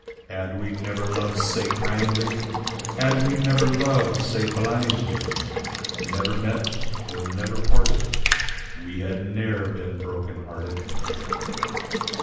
Had we never lov'd sae kindly, Had we never lov'd sae blindly, Never met—or never parted, We had ne'er been broken hearted.